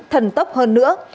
thần tốc hơn nữa